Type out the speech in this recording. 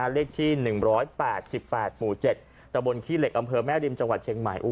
เลขที่๑๘๘หมู่๗ตะบนขี้เหล็กอำเภอแม่ริมจังหวัดเชียงใหม่